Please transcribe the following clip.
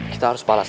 kita harus palas